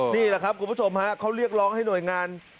พวกคุณผู้ชมเขาเรียกร้องให้หน่วยงาน